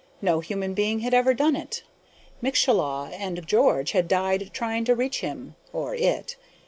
No human being had ever done it. Mieczyslaw and George had died trying to reach him (or it).